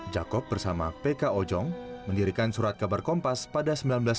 jakob bersama p k ojong mendirikan surat kabar kompas pada seribu sembilan ratus enam puluh lima